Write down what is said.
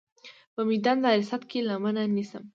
په میدان د عرصات کې لمنه نیسم.